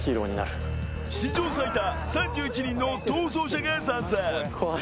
史上最多３１人の逃走者が参戦。